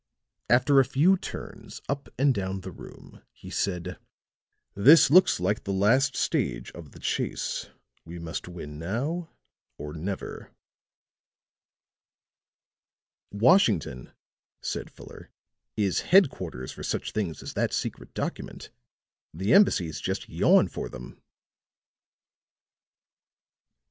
After a few turns up and down the room, he said: "This looks like the last stage of the chase. We must win now, or never." "Washington," said Fuller, "is headquarters for such things as that secret document. The embassies just yawn for them."